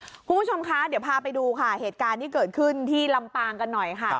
คุณผู้ชมคะเดี๋ยวพาไปดูค่ะเหตุการณ์ที่เกิดขึ้นที่ลำปางกันหน่อยค่ะ